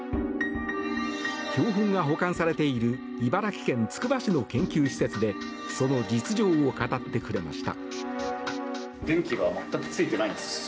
標本が保管されている茨城県つくば市の研究施設でその実情を語ってくれました。